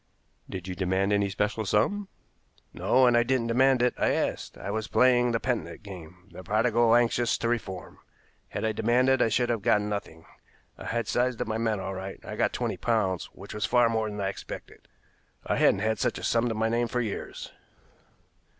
"Did you demand any special sum?" "No; and I didn't demand it, I asked. I was playing the penitent game, the prodigal anxious to reform. Had I demanded I should have got nothing. I had sized up my men all right. I got twenty pounds, which was far more than I expected. I hadn't had such a sum to my name for years."